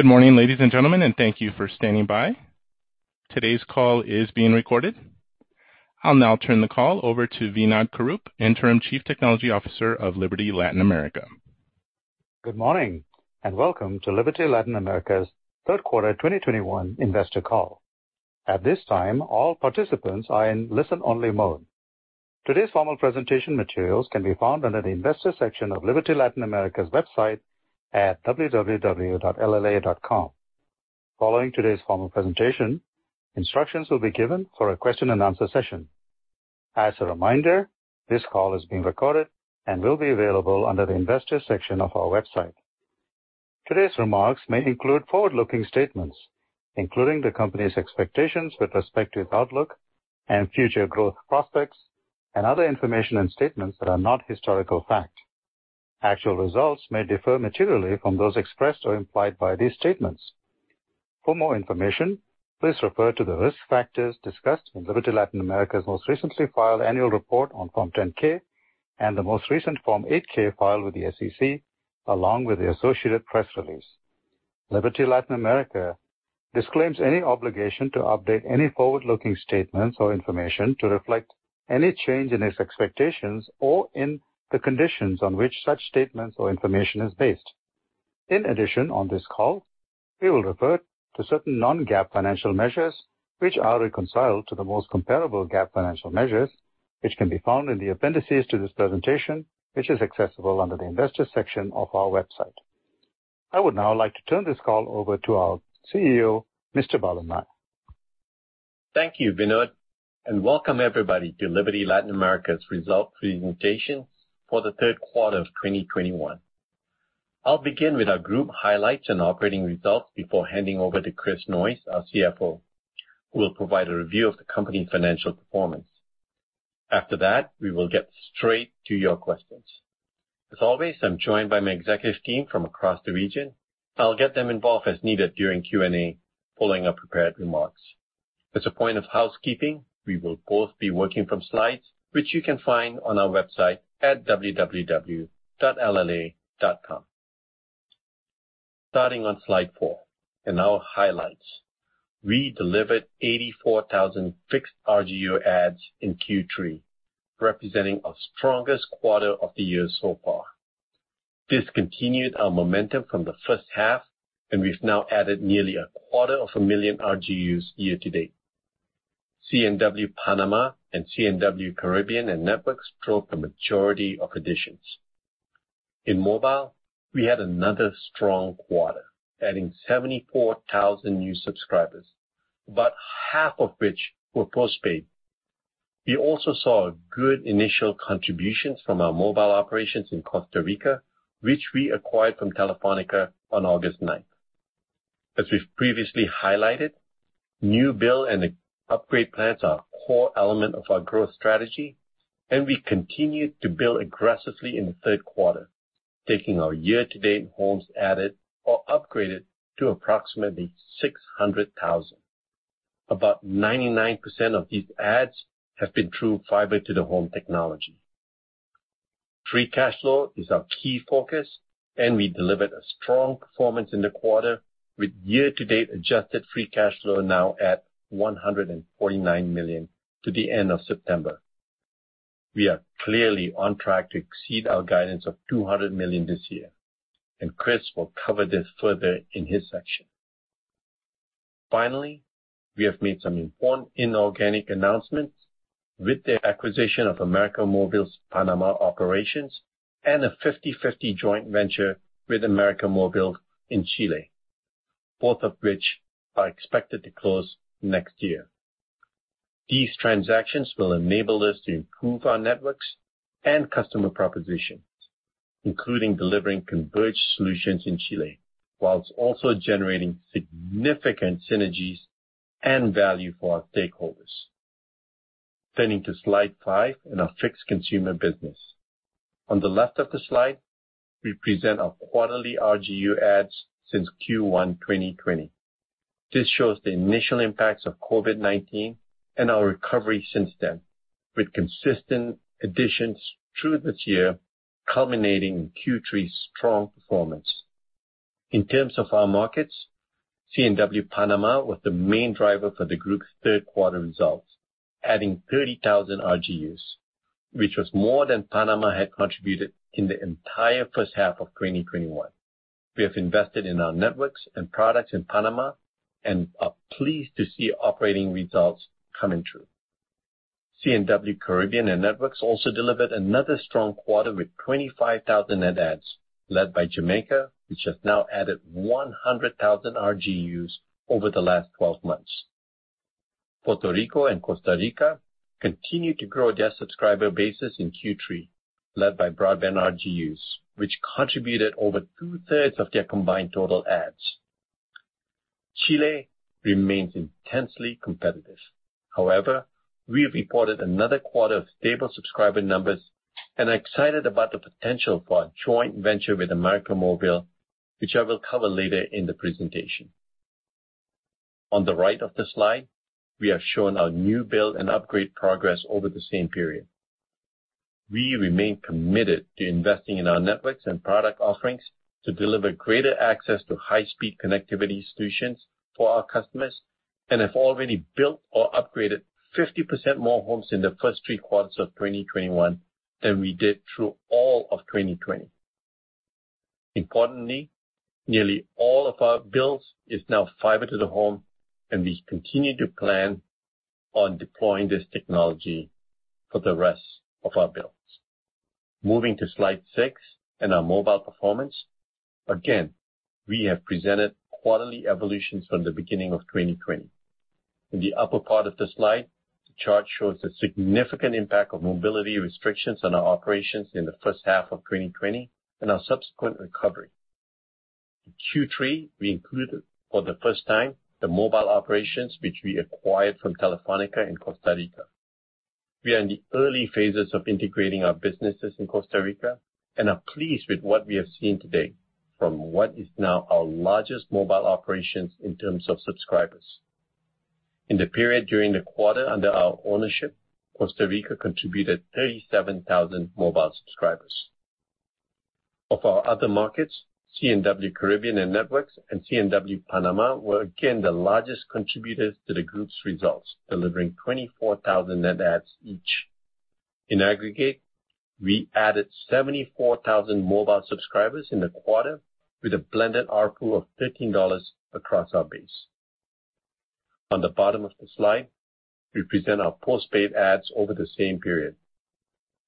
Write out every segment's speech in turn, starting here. Good morning, ladies and gentlemen, and thank you for standing by. Today's call is being recorded. I'll now turn the call over to Veenod Kurup, Interim Chief Technology Officer of Liberty Latin America. Good morning, and welcome to Liberty Latin America's third quarter 2021 investor call. At this time, all participants are in listen-only mode. Today's formal presentation materials can be found under the investor section of Liberty Latin America's website at www.lla.com. Following today's formal presentation, instructions will be given for a question-and-answer session. As a reminder, this call is being recorded and will be available under the investor section of our website. Today's remarks may include forward-looking statements, including the company's expectations with respect to its outlook and future growth prospects and other information and statements that are not historical fact. Actual results may differ materially from those expressed or implied by these statements. For more information, please refer to the risk factors discussed in Liberty Latin America's most recently filed annual report on Form 10-K and the most recent Form 8-K filed with the SEC, along with the associated press release. Liberty Latin America disclaims any obligation to update any forward-looking statements or information to reflect any change in its expectations or in the conditions on which such statements or information is based. In addition, on this call, we will refer to certain non-GAAP financial measures which are reconciled to the most comparable GAAP financial measures, which can be found in the appendices to this presentation, which is accessible under the investor section of our website. I would now like to turn this call over to our CEO, Mr. Balan Nair. Thank you, Veenod, and welcome everybody to Liberty Latin America's results presentation for the third quarter of 2021. I'll begin with our group highlights and operating results before handing over to Chris Noyes, our CFO, who will provide a review of the company's financial performance. After that, we will get straight to your questions. As always, I'm joined by my executive team from across the region. I'll get them involved as needed during Q&A, following up prepared remarks. As a point of housekeeping, we will both be working from slides, which you can find on our website at www.lla.com. Starting on slide four, in our highlights. We delivered 84,000 fixed RGU adds in Q3, representing our strongest quarter of the year so far. This continued our momentum from the first half, and we've now added nearly 250,000 RGUs year-to-date. C&W Panama and C&W Caribbean and Networks drove the majority of additions. In mobile, we had another strong quarter, adding 74,000 new subscribers, about half of which were postpaid. We also saw good initial contributions from our mobile operations in Costa Rica, which we acquired from Telefónica on August 9th. As we've previously highlighted, new build and upgrade plans are a core element of our growth strategy, and we continued to build aggressively in the third quarter, taking our year-to-date homes added or upgraded to approximately 600,000. About 99% of these adds have been through fiber to the home technology. Free cash flow is our key focus, and we delivered a strong performance in the quarter, with year-to-date Adjusted Free Cash Flow now at $149 million to the end of September. We are clearly on track to exceed our guidance of $200 million this year, and Chris will cover this further in his section. Finally, we have made some important inorganic announcements with the acquisition of América Móvil's Panama operations and a 50/50 joint venture with América Móvil in Chile, both of which are expected to close next year. These transactions will enable us to improve our networks and customer propositions, including delivering converged solutions in Chile, while also generating significant synergies and value for our stakeholders. Turning to slide 5 in our fixed consumer business. On the left of the slide, we present our quarterly RGU adds since Q1 2020. This shows the initial impacts of COVID-19 and our recovery since then, with consistent additions through this year culminating in Q3's strong performance. In terms of our markets, C&W Panama was the main driver for the group's third quarter results, adding 30,000 RGUs, which was more than Panama had contributed in the entire first half of 2021. We have invested in our networks and products in Panama and are pleased to see operating results coming through. C&W Caribbean and Networks also delivered another strong quarter with 25,000 net adds, led by Jamaica, which has now added 100,000 RGUs over the last 12 months. Puerto Rico and Costa Rica continued to grow their subscriber bases in Q3, led by broadband RGUs, which contributed over 2/3 of their combined total adds. Chile remains intensely competitive. However, we have reported another quarter of stable subscriber numbers and are excited about the potential for a joint venture with América Móvil, which I will cover later in the presentation. On the right of the slide, we have shown our new build and upgrade progress over the same period. We remain committed to investing in our networks and product offerings to deliver greater access to high-speed connectivity solutions for our customers, and have already built or upgraded 50% more homes in the first three quarters of 2021 than we did through all of 2020. Importantly, nearly all of our builds is now fiber to the home, and we continue to plan on deploying this technology for the rest of our builds. Moving to slide six and our mobile performance. Again, we have presented quarterly evolutions from the beginning of 2020. In the upper part of the slide, the chart shows the significant impact of mobility restrictions on our operations in the first half of 2020 and our subsequent recovery. In Q3, we included for the first time the mobile operations which we acquired from Telefónica in Costa Rica. We are in the early phases of integrating our businesses in Costa Rica and are pleased with what we have seen to date from what is now our largest mobile operations in terms of subscribers. In the period during the quarter under our ownership, Costa Rica contributed 37,000 mobile subscribers. Of our other markets, C&W Caribbean and Networks and C&W Panama were again the largest contributors to the group's results, delivering 24,000 net adds each. In aggregate, we added 74,000 mobile subscribers in the quarter with a blended ARPU of $13 across our base. On the bottom of the slide, we present our postpaid adds over the same period.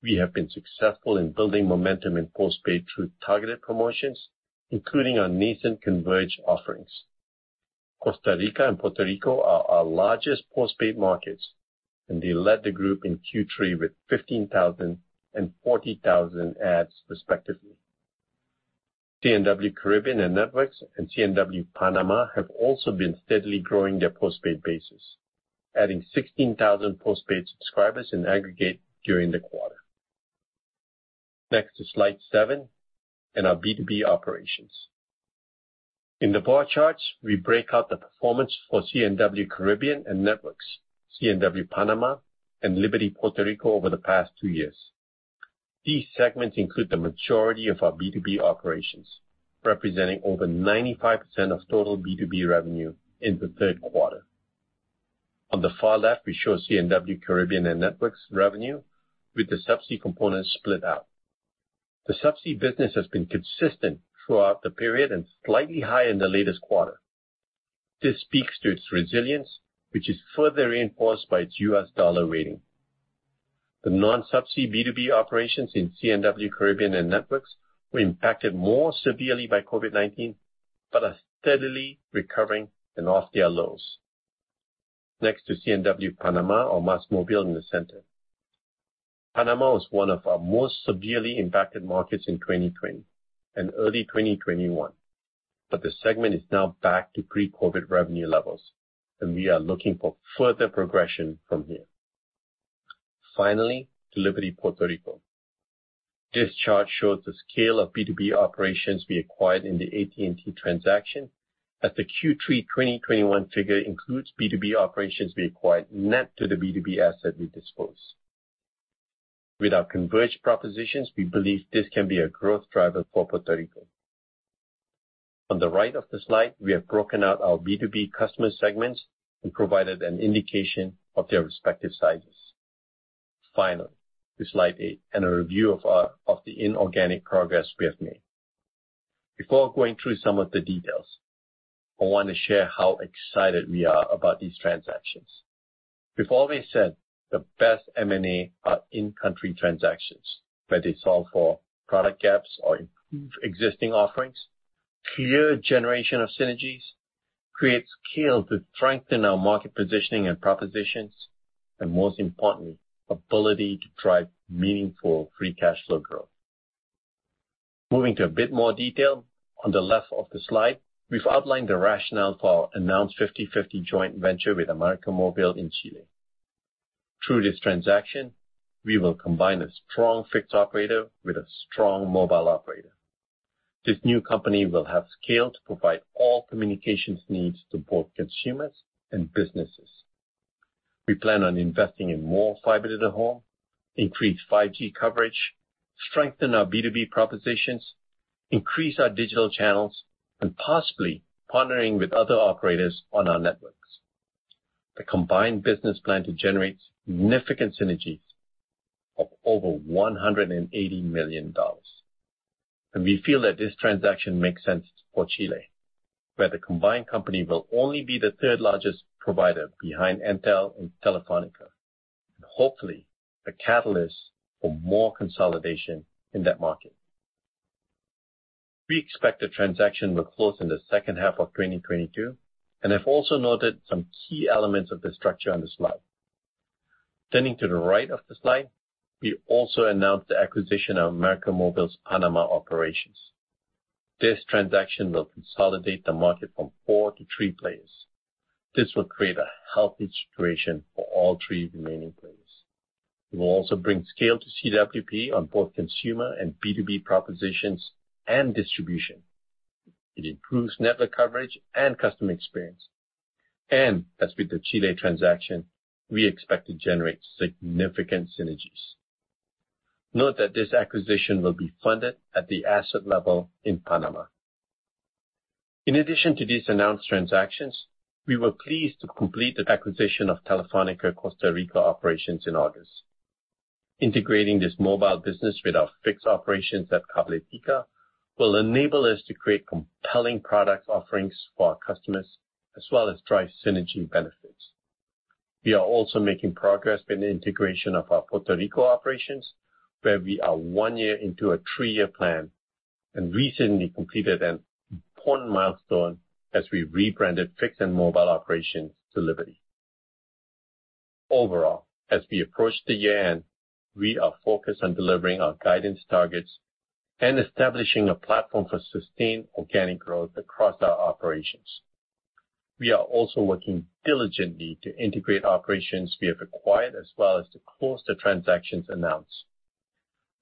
We have been successful in building momentum in postpaid through targeted promotions, including our nascent converged offerings. Costa Rica and Puerto Rico are our largest postpaid markets, and they led the group in Q3 with 15,000 and 40,000 adds respectively. C&W Caribbean and Networks and C&W Panama have also been steadily growing their postpaid bases, adding 16,000 postpaid subscribers in aggregate during the quarter. Next is slide seven and our B2B operations. In the bar charts, we break out the performance for C&W Caribbean and Networks, C&W Panama, and Liberty Puerto Rico over the past two years. These segments include the majority of our B2B operations, representing over 95% of total B2B revenue in the third quarter. On the far left, we show C&W Caribbean and Networks revenue with the subsea component split out. The subsea business has been consistent throughout the period and slightly higher in the latest quarter. This speaks to its resilience, which is further reinforced by its U.S. dollar rating. The non-subsea B2B operations in C&W Caribbean and Networks were impacted more severely by COVID-19, but are steadily recovering and off their lows. Next to C&W Panama or Más Móvil in the center. Panama was one of our most severely impacted markets in 2020 and early 2021, but the segment is now back to pre-COVID revenue levels, and we are looking for further progression from here. Finally, to Liberty Puerto Rico. This chart shows the scale of B2B operations we acquired in the AT&T transaction, as the Q3 2021 figure includes B2B operations we acquired net of the B2B asset we disposed. With our converged propositions, we believe this can be a growth driver for Puerto Rico. On the right of the slide, we have broken out our B2B customer segments and provided an indication of their respective sizes. Finally, to slide 8, a review of the inorganic progress we have made. Before going through some of the details, I want to share how excited we are about these transactions. We've always said the best M&A are in-country transactions, where they solve for product gaps or improve existing offerings, clear generation of synergies, create scale to strengthen our market positioning and propositions, and most important, ability to drive meaningful free cash flow growth. Moving to a bit more detail, on the left of the slide, we've outlined the rationale for our announced 50/50 joint venture with América Móvil in Chile. Through this transaction, we will combine a strong fixed operator with a strong mobile operator. This new company will have scale to provide all communications needs to both consumers and businesses. We plan on investing in more fiber to the home, increase 5G coverage, strengthen our B2B propositions, increase our digital channels, and possibly partnering with other operators on our networks. The combined business plan to generate significant synergies of over $180 million, and we feel that this transaction makes sense for Chile, where the combined company will only be the third-largest provider behind Entel and Telefónica, and hopefully a catalyst for more consolidation in that market. We expect the transaction will close in the second half of 2022 and have also noted some key elements of the structure on the slide. Turning to the right of the slide, we also announced the acquisition of América Móvil's Panama operations. This transaction will consolidate the market from four to three players. This will create a healthy situation for all three remaining players. We will also bring scale to CWP on both consumer and B2B propositions and distribution. It improves network coverage and customer experience. As with the Chile transaction, we expect to generate significant synergies. Note that this acquisition will be funded at the asset level in Panama. In addition to these announced transactions, we were pleased to complete the acquisition of Telefónica Costa Rica operations in August. Integrating this mobile business with our fixed operations at Cabletica will enable us to create compelling product offerings for our customers, as well as drive synergy benefits. We are also making progress in the integration of our Puerto Rico operations, where we are one year into a three-year plan and recently completed an important milestone as we rebranded fixed and mobile operations to Liberty. Overall, as we approach the year-end, we are focused on delivering our guidance targets and establishing a platform for sustained organic growth across our operations. We are also working diligently to integrate operations we have acquired as well as to close the transactions announced.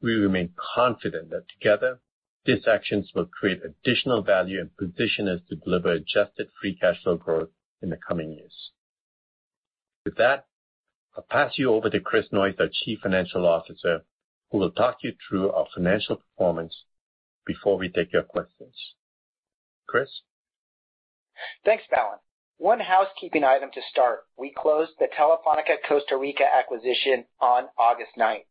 We remain confident that together, these actions will create additional value and position us to deliver Adjusted Free Cash Flow growth in the coming years. With that, I'll pass you over to Chris Noyes, our Chief Financial Officer, who will talk you through our financial performance before we take your questions. Chris? Thanks, Balan. One housekeeping item to start. We closed the Telefónica Costa Rica acquisition on August ninth,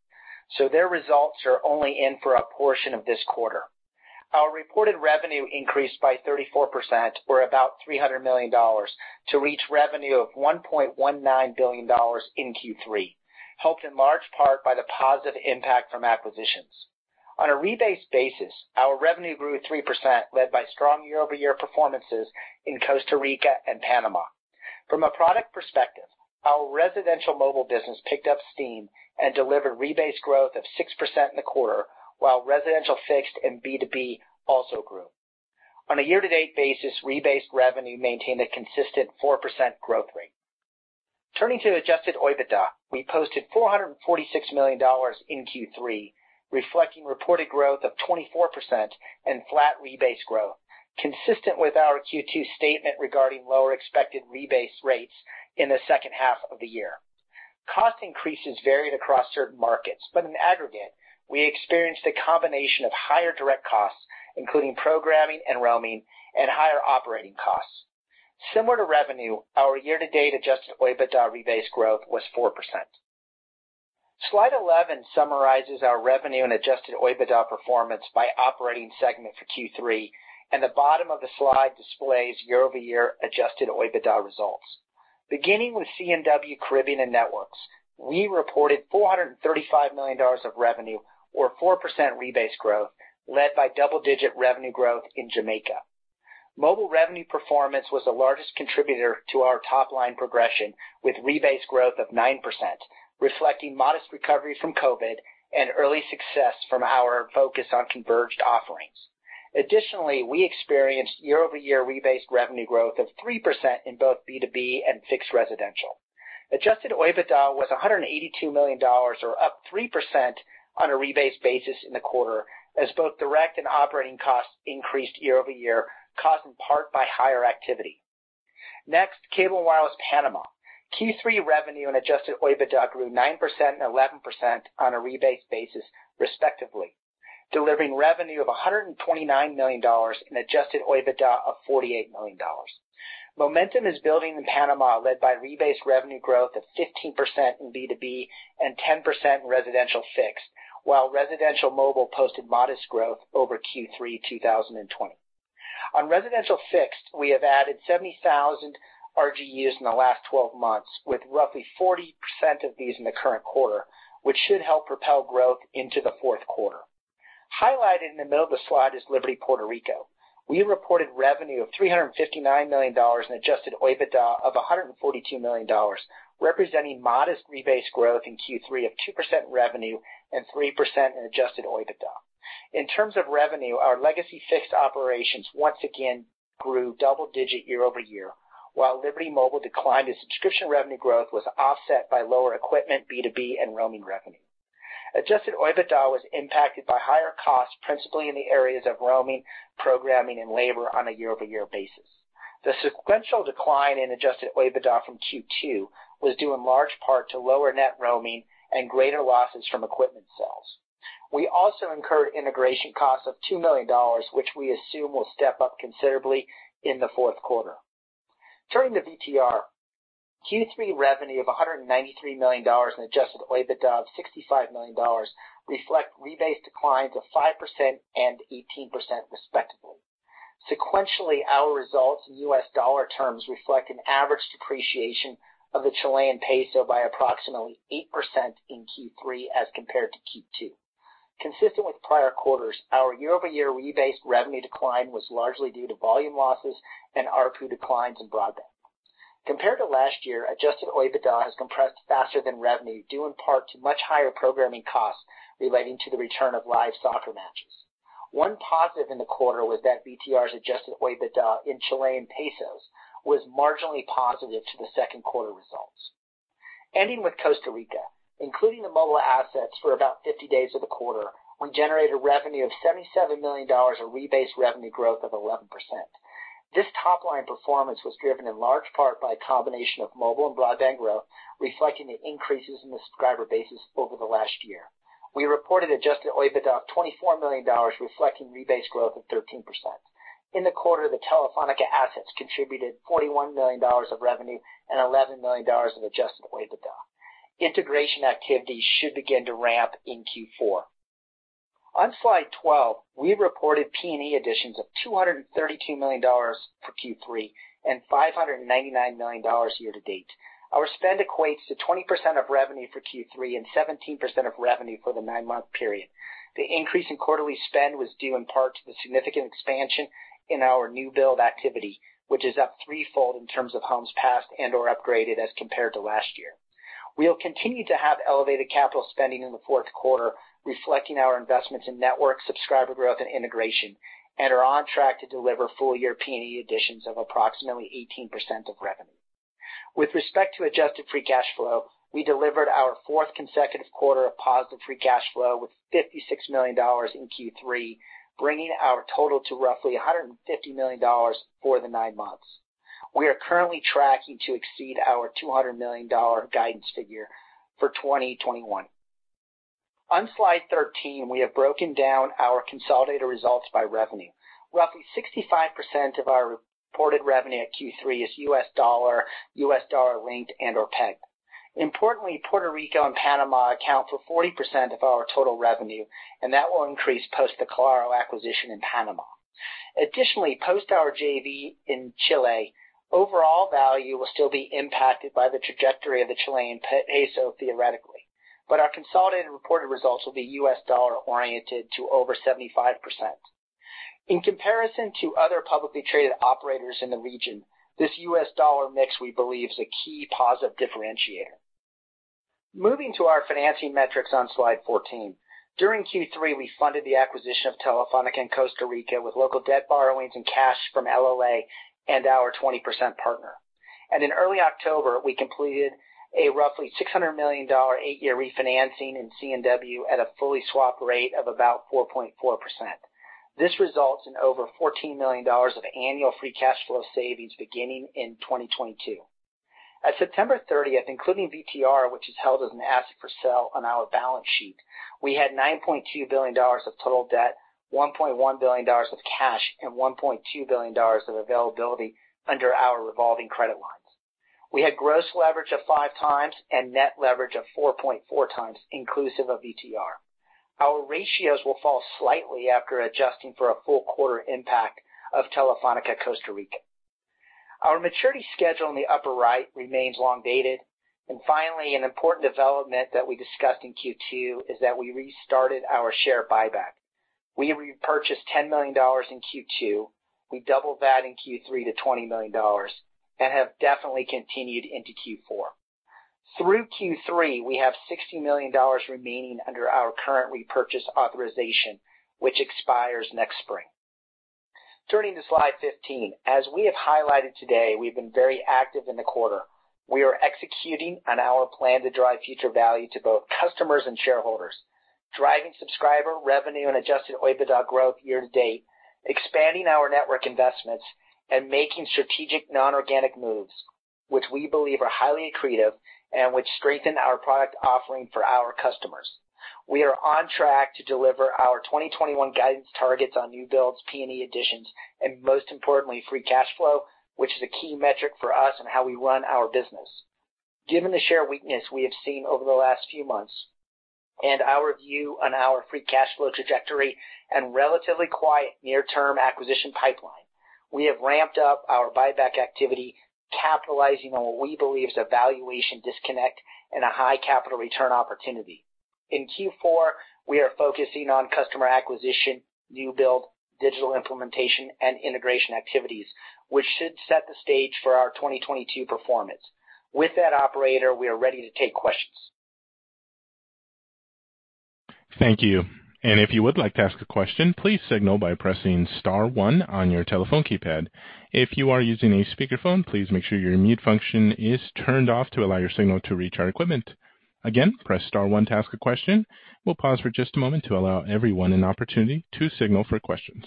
so their results are only in for a portion of this quarter. Our reported revenue increased by 34% or about $300 million to reach revenue of $1.19 billion in Q3, helped in large part by the positive impact from acquisitions. On a rebased basis, our revenue grew 3%, led by strong year-over-year performances in Costa Rica and Panama. From a product perspective, our residential mobile business picked up steam and delivered rebased growth of 6% in the quarter, while residential fixed and B2B also grew. On a year-to-date basis, rebased revenue maintained a consistent 4% growth rate. Turning to Adjusted OIBDA, we posted $446 million in Q3, reflecting reported growth of 24% and flat rebase growth, consistent with our Q2 statement regarding lower expected rebase rates in the second half of the year. Cost increases varied across certain markets, but in aggregate, we experienced a combination of higher direct costs, including programming and roaming and higher operating costs. Similar to revenue, our year-to-date Adjusted OIBDA rebase growth was 4%. Slide 11 summarizes our revenue and Adjusted OIBDA performance by operating segment for Q3, and the bottom of the slide displays year-over-year Adjusted OIBDA results. Beginning with C&W Caribbean and Networks, we reported $435 million of revenue or 4% rebase growth, led by double-digit revenue growth in Jamaica. Mobile revenue performance was the largest contributor to our top-line progression with rebased growth of 9%, reflecting modest recovery from COVID and early success from our focus on converged offerings. We experienced year-over-year rebased revenue growth of 3% in both B2B and fixed residential. Adjusted OIBDA was $182 million, up 3% on a rebased basis in the quarter as both direct and operating costs increased year-over-year, caused in part by higher activity. Next, Cable & Wireless Panama. Q3 revenue and adjusted OIBDA grew 9% and 11% on a rebased basis, respectively, delivering revenue of $129 million and adjusted OIBDA of $48 million. Momentum is building in Panama, led by rebased revenue growth of 15% in B2B and 10% in residential fixed, while residential mobile posted modest growth over Q3 2020. On residential fixed, we have added 70,000 RGUs in the last 12 months, with roughly 40% of these in the current quarter, which should help propel growth into the fourth quarter. Highlighted in the middle of the slide is Liberty Puerto Rico. We reported revenue of $359 million in adjusted OIBDA of $142 million, representing modest rebase growth in Q3 of 2% revenue and 3% in adjusted OIBDA. In terms of revenue, our legacy fixed operations once again grew double-digit year-over-year, while Liberty Mobile declined as subscription revenue growth was offset by lower equipment, B2B, and roaming revenue. Adjusted OIBDA was impacted by higher costs, principally in the areas of roaming, programming, and labor on a year-over-year basis. The sequential decline in adjusted OIBDA from Q2 was due in large part to lower net roaming and greater losses from equipment sales. We also incurred integration costs of $2 million, which we assume will step up considerably in the fourth quarter. Turning to VTR. Q3 revenue of $193 million and adjusted OIBDA of $65 million reflect rebased declines of 5% and 18%, respectively. Sequentially, our results in U.S. dollar terms reflect an average depreciation of the Chilean peso by approximately 8% in Q3 as compared to Q2. Consistent with prior quarters, our year-over-year rebased revenue decline was largely due to volume losses and ARPU declines in broadband. Compared to last year, Adjusted OIBDA has compressed faster than revenue, due in part to much higher programming costs relating to the return of live soccer matches. One positive in the quarter was that VTR's Adjusted OIBDA in Chilean pesos was marginally positive to the second quarter results. Ending with Costa Rica, including the mobile assets for about 50 days of the quarter, we generated revenue of $77 million, a rebased revenue growth of 11%. This top line performance was driven in large part by a combination of mobile and broadband growth, reflecting the increases in the subscriber bases over the last year. We reported Adjusted OIBDA of $24 million, reflecting rebased growth of 13%. In the quarter, the Telefónica assets contributed $41 million of revenue and $11 million of Adjusted OIBDA. Integration activities should begin to ramp in Q4. On slide 12, we reported P&E additions of $232 million for Q3 and $599 million year to date. Our spend equates to 20% of revenue for Q3 and 17% of revenue for the nine-month period. The increase in quarterly spend was due in part to the significant expansion in our new build activity, which is up threefold in terms of homes passed and/or upgraded as compared to last year. We'll continue to have elevated capital spending in the fourth quarter, reflecting our investments in network subscriber growth and integration, and are on track to deliver full year P&E additions of approximately 18% of revenue. With respect to Adjusted Free Cash Flow, we delivered our fourth consecutive quarter of positive free cash flow with $56 million in Q3, bringing our total to roughly $150 million for the nine months. We are currently tracking to exceed our $200 million guidance figure for 2021. On slide 13, we have broken down our consolidated results by revenue. Roughly 65% of our reported revenue at Q3 is U.S. dollar, U.S. dollar linked and/or pegged. Importantly, Puerto Rico and Panama account for 40% of our total revenue, and that will increase post the Claro acquisition in Panama. Additionally, post our JV in Chile, overall value will still be impacted by the trajectory of the Chilean peso theoretically, but our consolidated reported results will be U.S. dollar oriented to over 75%. In comparison to other publicly traded operators in the region, this U.S. dollar mix we believe is a key positive differentiator. Moving to our financing metrics on slide 14. During Q3, we funded the acquisition of Telefónica in Costa Rica with local debt borrowings and cash from LLA and our 20% partner. In early October, we completed a roughly $600 million eight-year refinancing in C&W at a fully swapped rate of about 4.4%. This results in over $14 million of annual free cash flow savings beginning in 2022. At September 30, including VTR, which is held as an asset for sale on our balance sheet, we had $9.2 billion of total debt, $1.1 billion of cash, and $1.2 billion of availability under our revolving credit lines. We had gross leverage of 5x and net leverage of 4.4x inclusive of VTR. Our ratios will fall slightly after adjusting for a full quarter impact of Telefónica Costa Rica. Our maturity schedule in the upper right remains long dated. Finally, an important development that we discussed in Q2 is that we restarted our share buyback. We repurchased $10 million in Q2. We doubled that in Q3 to $20 million and have definitely continued into Q4. Through Q3, we have $60 million remaining under our current repurchase authorization, which expires next spring. Turning to slide 15. As we have highlighted today, we've been very active in the quarter. We are executing on our plan to drive future value to both customers and shareholders, driving subscriber revenue and adjusted OIBDA growth year to date, expanding our network investments and making strategic non-organic moves, which we believe are highly accretive and which strengthen our product offering for our customers. We are on track to deliver our 2021 guidance targets on new builds, P&E additions, and most importantly, free cash flow, which is a key metric for us and how we run our business. Given the share weakness we have seen over the last few months and our view on our free cash flow trajectory and relatively quiet near-term acquisition pipeline, we have ramped up our buyback activity, capitalizing on what we believe is a valuation disconnect and a high capital return opportunity. In Q4, we are focusing on customer acquisition, new build, digital implementation, and integration activities, which should set the stage for our 2022 performance. With that, operator, we are ready to take questions. Thank you. If you would like to ask a question, please signal by pressing star one on your telephone keypad. If you are using a speakerphone, please make sure your mute function is turned off to allow your signal to reach our equipment. Again, press star one to ask a question. We'll pause for just a moment to allow everyone an opportunity to signal for questions.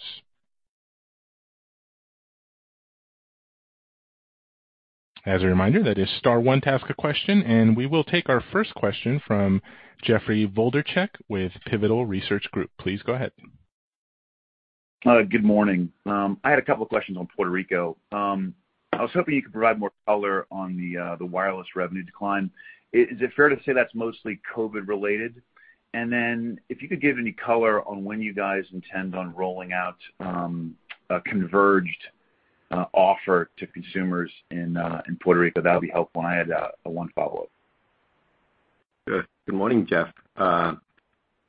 As a reminder, that is star one to ask a question, and we will take our first question from Jeffrey Wlodarczak with Pivotal Research Group. Please go ahead. Good morning. I had a couple of questions on Puerto Rico. I was hoping you could provide more color on the wireless revenue decline. Is it fair to say that's mostly COVID related? If you could give any color on when you guys intend on rolling out a converged offer to consumers in Puerto Rico, that would be helpful. I had one follow-up. Good morning, Jeff.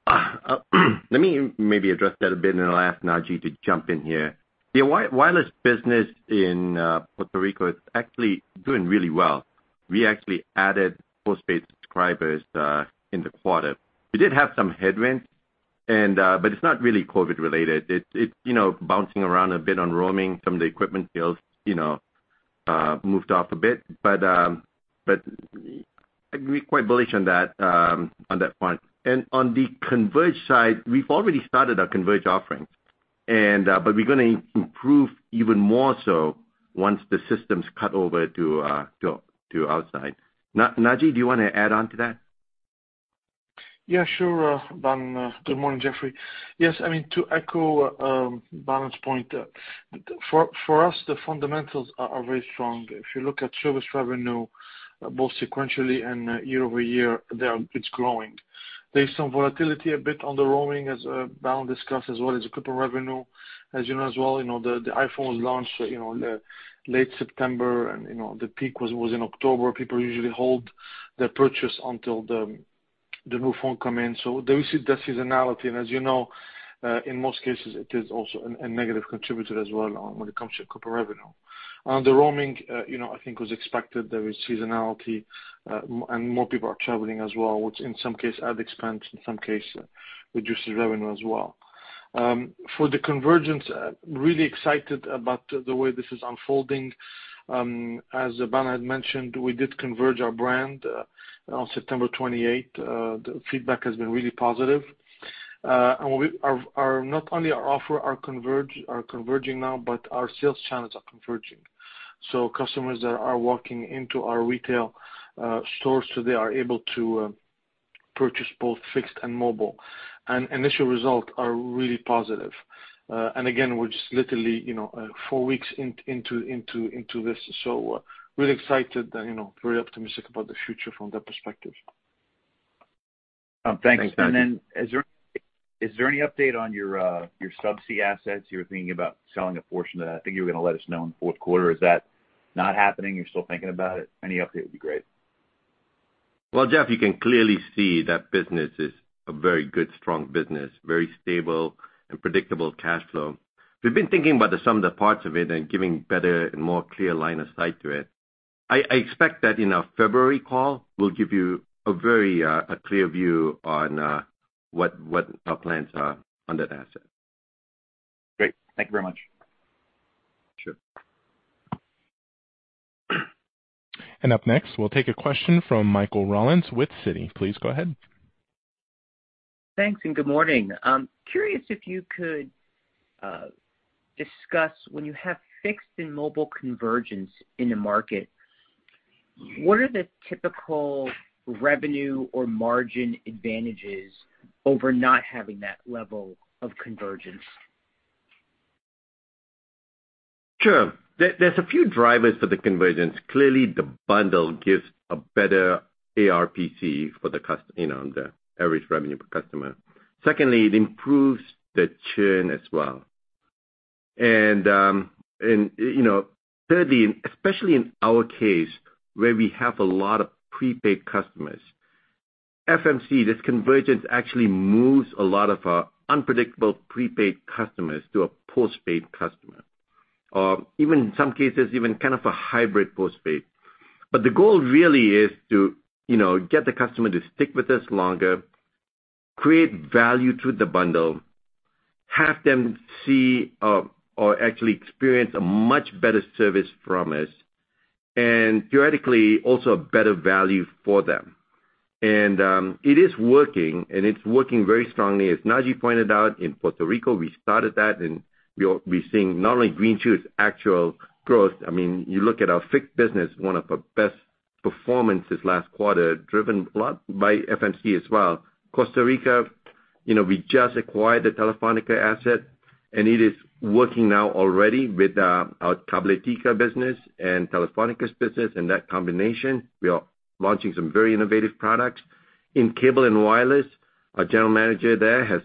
Let me maybe address that a bit, and I'll ask Naji to jump in here. The wireless business in Puerto Rico is actually doing really well. We actually added postpaid subscribers in the quarter. We did have some headwinds, but it's not really COVID related, you know, bouncing around a bit on roaming. Some of the equipment sales, you know, moved off a bit, but we're quite bullish on that front. On the converge side, we've already started our converge offerings, but we're gonna improve even more so once the system's cut over to Amdocs. Naji, do you wanna add on to that? Yeah, sure, Balan. Good morning, Jeffrey. Yes, I mean, to echo Balan's point, for us, the fundamentals are very strong. If you look at service revenue, both sequentially and year-over-year, they are. It's growing. There's some volatility a bit on the roaming as Balan discussed, as well as equipment revenue. As you know as well, you know, the iPhone was launched late September, and you know, the peak was in October. People usually hold their purchase until the new phone come in. There is the seasonality, and as you know, in most cases, it is also a negative contributor as well on when it comes to equipment revenue. On the roaming, you know, I think was expected. There is seasonality, and more people are traveling as well, which in some case add expense, in some case reduces revenue as well. For the convergence, really excited about the way this is unfolding. As Balan had mentioned, we did converge our brand on September 28. The feedback has been really positive. We are not only our offer are converging now, but our sales channels are converging. Customers are walking into our retail stores, so they are able to purchase both fixed and mobile. Initial results are really positive. Again, we're just literally, you know, four weeks into this, so really excited and, you know, very optimistic about the future from that perspective. Thanks. Is there any update on your subsea assets? You were thinking about selling a portion of that. I think you were gonna let us know in fourth quarter. Is that not happening? You're still thinking about it? Any update would be great. Well, Jeff, you can clearly see that business is a very good, strong business, very stable and predictable cash flow. We've been thinking about the sum of the parts of it and giving better and more clear line of sight to it. I expect that in our February call, we'll give you a very, a clear view on, what our plans are on that asset. Great. Thank you very much. Sure. Up next, we'll take a question from Michael Rollins with Citi. Please go ahead. Thanks, and good morning. I'm curious if you could discuss when you have fixed and mobile convergence in the market, what are the typical revenue or margin advantages over not having that level of convergence? Sure. There's a few drivers for the convergence. Clearly, the bundle gives a better ARPC, you know, the average revenue per customer. Secondly, it improves the churn as well. You know, thirdly, especially in our case, where we have a lot of prepaid customers, FMC, this convergence actually moves a lot of our unpredictable prepaid customers to a postpaid customer, or even in some cases, kind of a hybrid postpaid. The goal really is to, you know, get the customer to stick with us longer, create value through the bundle, have them see or actually experience a much better service from us and theoretically, also a better value for them. It is working, and it's working very strongly. As Naji pointed out, in Puerto Rico, we started that, and we're seeing not only green shoots, actual growth. I mean, you look at our fixed business, one of our best performances last quarter, driven a lot by FMC as well. Costa Rica, you know, we just acquired the Telefónica asset, and it is working now already with our Cabletica business and Telefónica's business. In that combination, we are launching some very innovative products. In Cable & Wireless, our general manager there has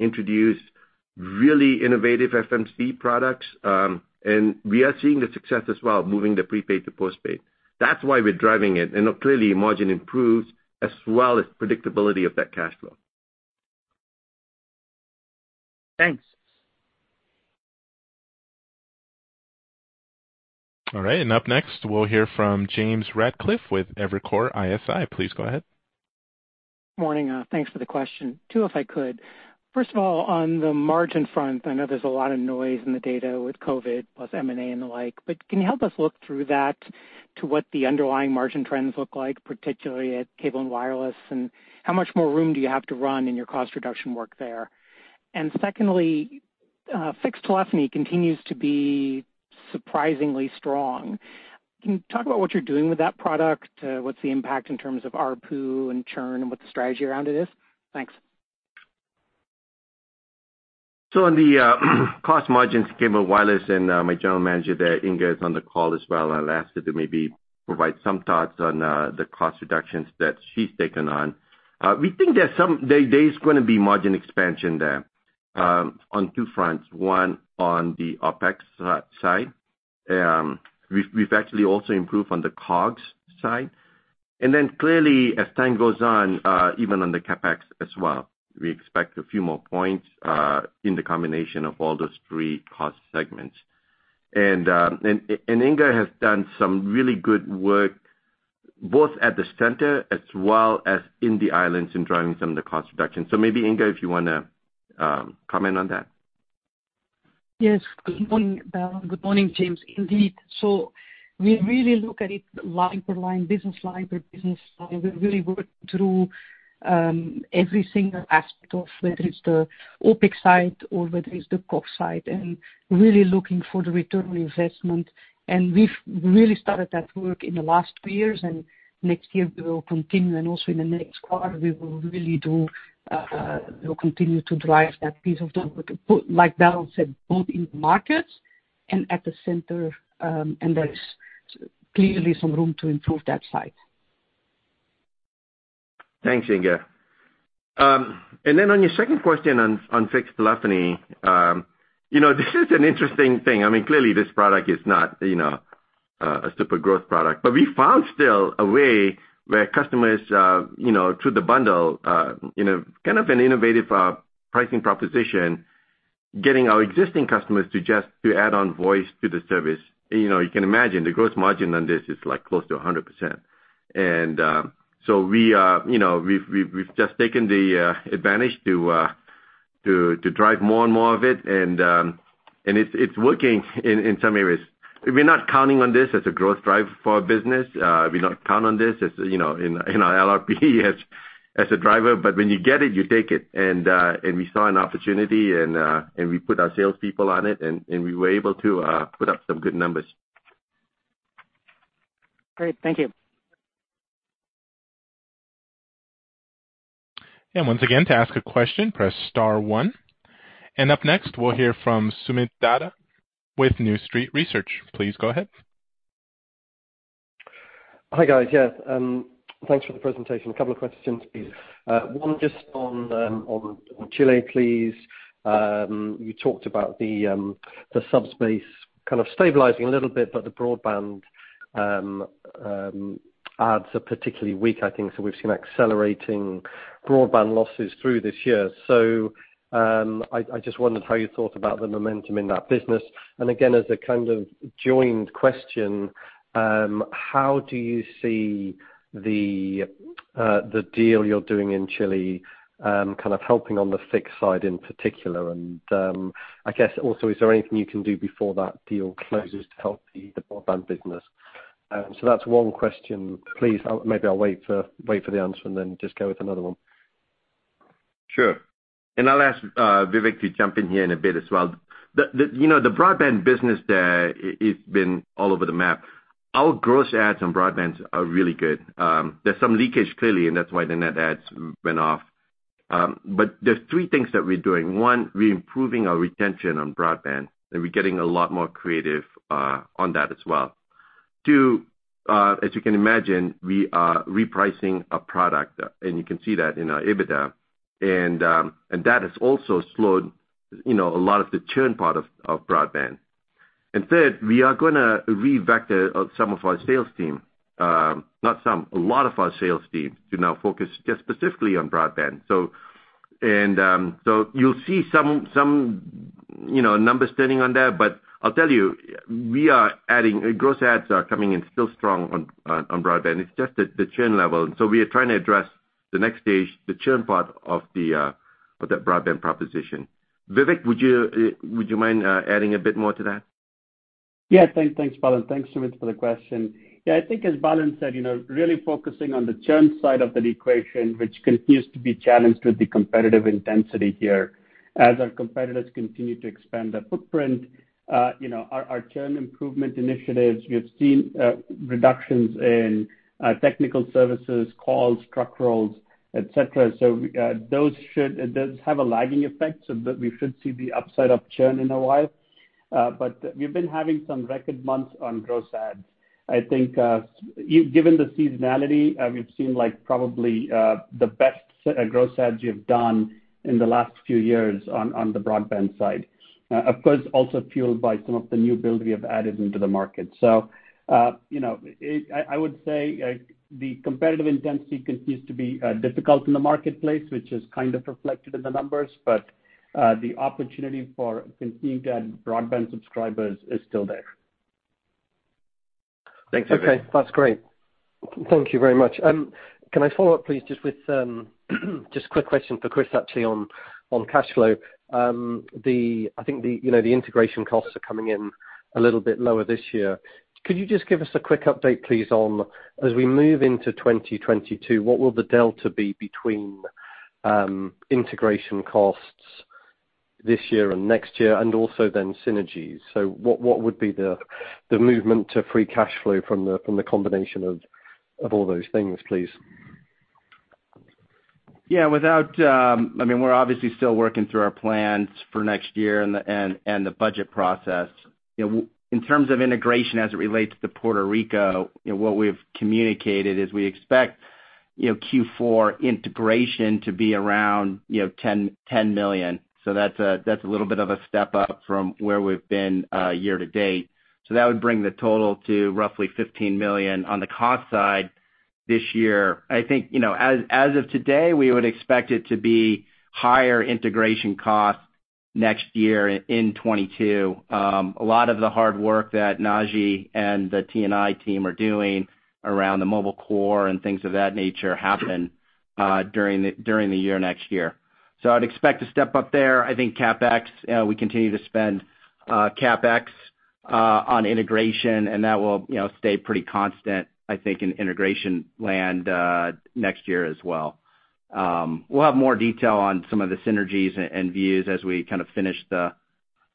introduced really innovative FMC products, and we are seeing the success as well, moving the prepaid to postpaid. That's why we're driving it. Clearly, margin improves as well as predictability of that cash flow. Thanks. All right. Up next, we'll hear from James Ratcliffe with Evercore ISI. Please go ahead. Morning. Thanks for the question. Two, if I could. First of all, on the margin front, I know there's a lot of noise in the data with COVID plus M&A and the like, but can you help us look through that to what the underlying margin trends look like, particularly at Cable & Wireless? And how much more room do you have to run in your cost reduction work there? And secondly, fixed telephony continues to be surprisingly strong. Can you talk about what you're doing with that product? What's the impact in terms of ARPU and churn and what the strategy around it is? Thanks. On the cost margins, Cable & Wireless and my general manager there, Inge, is on the call as well. I'll ask her to maybe provide some thoughts on the cost reductions that she's taken on. We think there's some there is gonna be margin expansion there on two fronts. One, on the OpEx side. We've actually also improved on the COGS side. Then clearly as time goes on, even on the CapEx as well, we expect a few more points in the combination of all those three cost segments. And Inge has done some really good work both at the center as well as in the islands in driving some of the cost reductions. Maybe Inge, if you wanna comment on that. Yes. Good morning, James. Indeed. We really look at it line by line, business line by business line. We really work through every single aspect of whether it's the OpEx side or whether it's the cost side, and really looking for the return on investment. We've really started that work in the last two years, and next year we will continue, and also in the next quarter, we'll continue to drive that piece of the work, like Balan said, both in markets and at the center, and there is clearly some room to improve that side. Thanks, Inge. On your second question on fixed telephony, you know, this is an interesting thing. I mean, clearly this product is not, you know, a super growth product. We found still a way where customers, you know, through the bundle, in a kind of an innovative pricing proposition, getting our existing customers to just add on voice to the service. You know, you can imagine the gross margin on this is like close to 100%. We've just taken the advantage to drive more and more of it and it's working in some areas. We're not counting on this as a growth driver for our business. We don't count on this as, you know, in our LRP as a driver, but when you get it, you take it. We saw an opportunity and we put our salespeople on it and we were able to put up some good numbers. Great. Thank you. Once again, to ask a question, press star one. Up next, we'll hear from Soomit Datta with New Street Research. Please go ahead. Hi, guys. Yes, thanks for the presentation. A couple of questions, please. One just on Chile, please. You talked about the subs base kind of stabilizing a little bit, but the broadband adds are particularly weak. I think we've seen accelerating broadband losses through this year. I just wondered how you thought about the momentum in that business. And again, as a kind of joint question, how do you see the deal you're doing in Chile kind of helping on the fixed side in particular? And, I guess also, is there anything you can do before that deal closes to help the broadband business? That's one question, please. I'll wait for the answer and then just go with another one. Sure. I'll ask Vivek to jump in here in a bit as well. The broadband business there, it's been all over the map. Our gross adds on broadband are really good. There's some leakage clearly, and that's why the net adds went off. But there's three things that we're doing. One, we're improving our retention on broadband, and we're getting a lot more creative on that as well. Two, as you can imagine, we are repricing a product, and you can see that in our EBITDA. And that has also slowed, you know, a lot of the churn part of broadband. And third, we are gonna revector some of our sales team, not some, a lot of our sales team to now focus just specifically on broadband. You'll see some, you know, numbers turning on that. But I'll tell you, we are adding gross adds are coming in still strong on broadband. It's just at the churn level. We are trying to address the next stage, the churn part of that broadband proposition. Vivek, would you mind adding a bit more to that? Thanks, Balan. Thanks, Soomit, for the question. I think as Balan said, you know, really focusing on the churn side of the equation, which continues to be challenged with the competitive intensity here. As our competitors continue to expand their footprint, you know, our churn improvement initiatives, we have seen reductions in technical services, calls, truck rolls, et cetera. It does have a lagging effect, so that we should see the upside of churn in a while. But we've been having some record months on gross adds. I think, given the seasonality, we've seen like probably the best gross adds we have done in the last few years on the broadband side. Of course, also fueled by some of the new build we have added into the market. I would say the competitive intensity continues to be difficult in the marketplace, which is kind of reflected in the numbers, but the opportunity for continued broadband subscribers is still there. Thanks, Vivek. Okay. That's great. Thank you very much. Can I follow up please just with a quick question for Chris actually on cash flow? I think you know the integration costs are coming in a little bit lower this year. Could you just give us a quick update please on as we move into 2022 what will the delta be between integration costs this year and next year and also then synergies? What would be the movement to free cash flow from the combination of all those things please? Yeah. Without, I mean, we're obviously still working through our plans for next year and the budget process. You know, in terms of integration as it relates to Puerto Rico, you know, what we've communicated is we expect, you know, Q4 integration to be around, you know, $10 million. So that's a little bit of a step up from where we've been year to date. So that would bring the total to roughly $15 million on the cost side this year. I think, you know, as of today, we would expect it to be higher integration costs next year in 2022. A lot of the hard work that Naji and the T&I team are doing around the mobile core and things of that nature happen during the year next year. So I'd expect to step up there. I think CapEx, we continue to spend CapEx on integration, and that will, you know, stay pretty constant, I think, in integration land next year as well. We'll have more detail on some of the synergies and views as we kind of finish the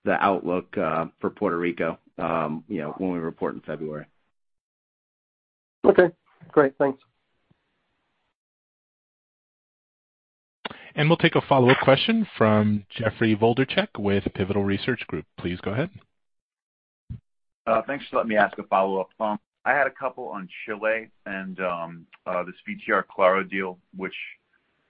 outlook for Puerto Rico, you know, when we report in February. Okay, great. Thanks. We'll take a follow-up question from Jeffrey Wlodarczak with Pivotal Research Group. Please go ahead. Thanks for letting me ask a follow-up, Balan Nair. I had a couple on Chile and this VTR Claro deal, which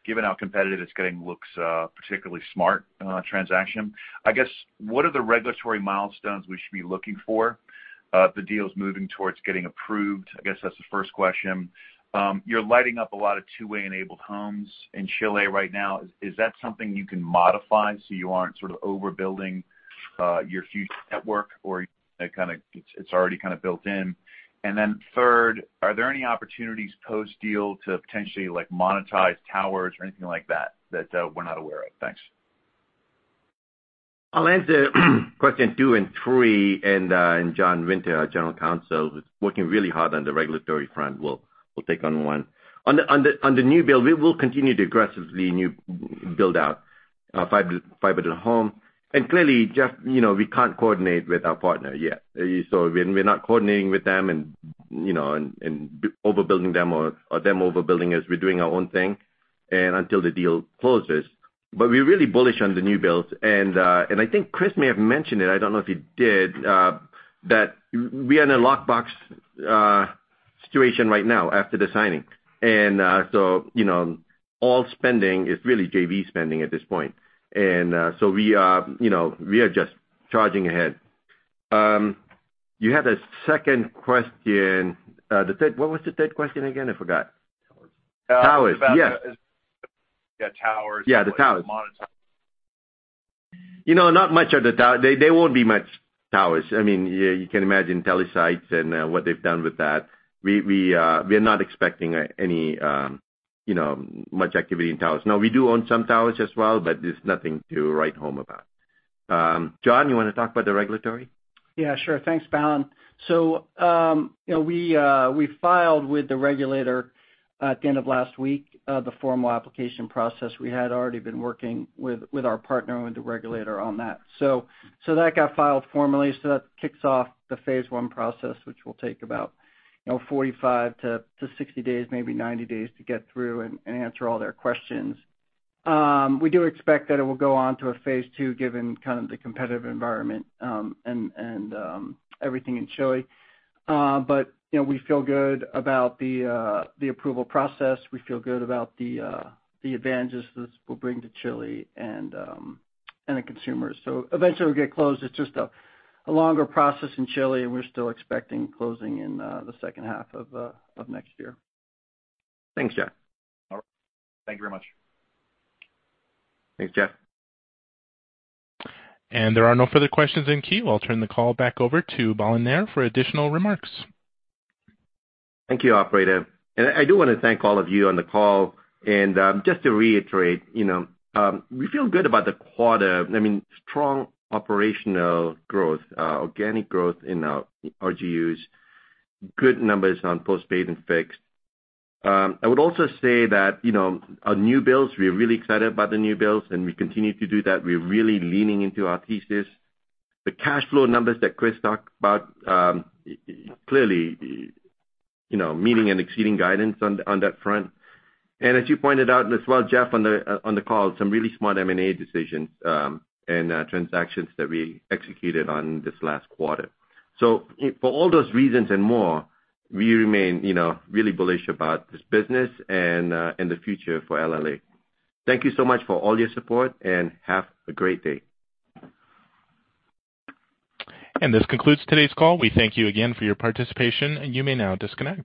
given how competitive it's getting, looks particularly smart transaction. I guess what are the regulatory milestones we should be looking for? The deal is moving towards getting approved, I guess that's the first question. You're lighting up a lot of two-way enabled homes in Chile right now. Is that something you can modify, so you aren't sort of overbuilding your future network or it's already kinda built in? Third, are there any opportunities post-deal to potentially like monetize towers or anything like that that we're not aware of? Thanks. I'll answer question two and three, and John Winter, our general counsel, who's working really hard on the regulatory front, will take on one. On the new build, we will continue to aggressively build out fiber to the home. Clearly, Jeff, you know, we can't coordinate with our partner yet. We're not coordinating with them and overbuilding them or them overbuilding us. We're doing our own thing until the deal closes. We're really bullish on the new builds. I think Chris may have mentioned it, I don't know if he did, that we are in a locked box situation right now after the signing. So, you know, all spending is really JV spending at this point. We are, you know, we are just charging ahead. You had a second question. The third question. What was the third question again? I forgot. Towers. Towers, yes. About, yeah, towers. Yeah, the towers. Monitors. You know, not much of the towers. They won't be many towers. I mean, you can imagine Telesites and what they've done with that. We're not expecting any, you know, much activity in towers. Now, we do own some towers as well, but it's nothing to write home about. John, you wanna talk about the regulatory? Yeah, sure. Thanks, Balan. You know, we filed with the regulator at the end of last week the formal application process. We had already been working with our partner and the regulator on that. That got filed formally. That kicks off the phase I process, which will take about, you know, 45-60 days, maybe 90 days to get through and answer all their questions. We do expect that it will go on to a phase II, given kind of the competitive environment and everything in Chile. You know, we feel good about the approval process. We feel good about the advantages this will bring to Chile and the consumers. Eventually it'll get closed. It's just a longer process in Chile, and we're still expecting closing in the second half of next year. Thanks, John. All right. Thank you very much. Thanks, Jeff. There are no further questions in queue. I'll turn the call back over to Balan Nair for additional remarks. Thank you, operator. I do wanna thank all of you on the call. Just to reiterate, you know, we feel good about the quarter. I mean, strong operational growth, organic growth in RGUs, good numbers on postpaid and fixed. I would also say that, you know, our new builds, we're really excited about the new builds, and we continue to do that. We're really leaning into our thesis. The cash flow numbers that Chris talked about, clearly, you know, meeting and exceeding guidance on that front. As you pointed out as well, Jeff, on the call, some really smart M&A decisions, and transactions that we executed on this last quarter. For all those reasons and more, we remain, you know, really bullish about this business and the future for LLA. Thank you so much for all your support, and have a great day. This concludes today's call. We thank you again for your participation. You may now disconnect.